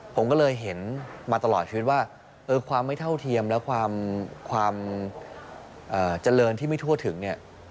ผมก็เลยเห็นมาตลอดชีวิตว่าความไม่เท่าเทียมและความเจริญที่ไม่ทั่วถึงเนี่ย